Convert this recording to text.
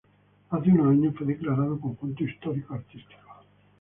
Hace unos años fue declarado Conjunto Histórico-Artístico.